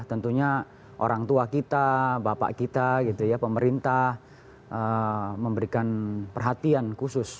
tentunya orang tua kita bapak kita pemerintah memberikan perhatian khusus